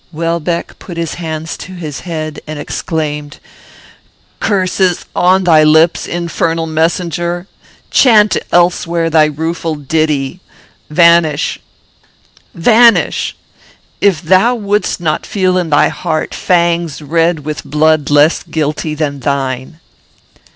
Welbeck put his hands to his head, and exclaimed, "Curses on thy lips, infernal messenger! Chant elsewhere thy rueful ditty! Vanish! if thou wouldst not feel in thy heart fangs red with blood less guilty than thine."